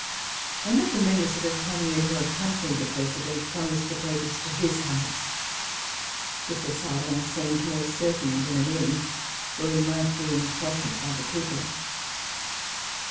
One of the members of the Commune who accompanied the President, proposed to take us to his house. This asylum seemed more certain than an inn, where we might be insulted by the people.